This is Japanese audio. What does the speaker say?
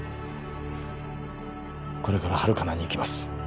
これからハルカナに行きます